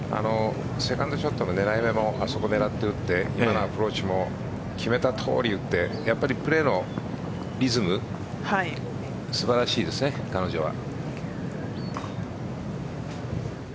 セカンドショット狙い目のあそこ狙って打ってアプローチも決めたとおり打ってやっぱり、プレーのリズム素晴らしいですね、彼女は。